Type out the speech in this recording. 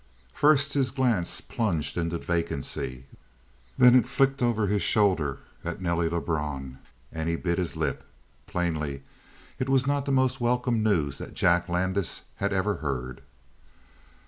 13 First his glance plunged into vacancy; then it flicked over his shoulder at Nelly Lebrun and he bit his lip. Plainly, it was not the most welcome news that Jack Landis had ever heard.